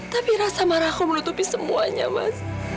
tapi rasa marah aku menutupi semuanya mas